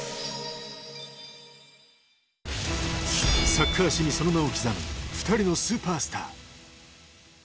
サッカー史にその名を刻む２人のスーパースター。